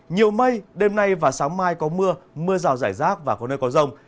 nhiều mây đêm nay và sáng mai có mưa mưa rào rải rác và có nơi có rông